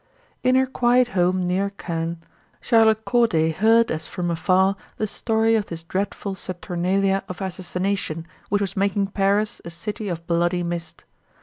In her quiet home near Caen Charlotte Corday heard as from afar the story of this dreadful saturnalia of assassination which was making Paris a city of bloody mist.